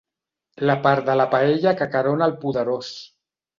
La part de la paella que acarona el poderós.